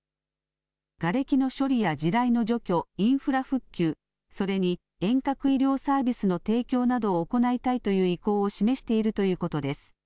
がれきの処理や地雷の除去、インフラ復旧、それに遠隔医療サービスの提供などを行いたいという意向を示しているということです。